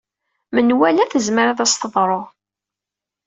Menwala tezmer ad s-teḍru.